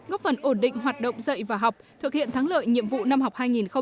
góp phần ổn định hoạt động dạy và học thực hiện thắng lợi nhiệm vụ năm học hai nghìn hai mươi hai nghìn hai mươi